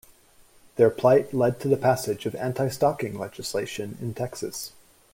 Their plight led to the passage of anti-stalking legislation in Texas.